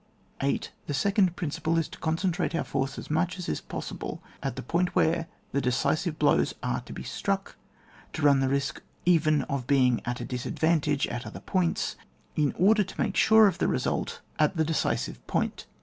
6. The second principle is to concen trate our force as much as is possible at the point where the decisive blows are to be struck, to run the risk even of being at a disadvantage at other points, in order to make sure of the result at the decisive point.